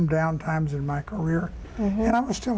ไม่เคยรู้จะสามารถมาซาน